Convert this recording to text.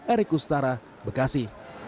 erik ustara bekasi